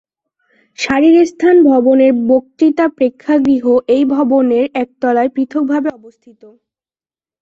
শারীরস্থান ভবনের বক্তৃতা প্রেক্ষাগৃহ এই ভবনের একতলায় পৃথক ভাবে অবস্থিত।